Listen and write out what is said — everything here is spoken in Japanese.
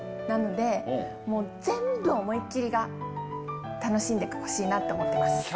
なので、もう全部思い切りが楽しんでほしいなと思ってます。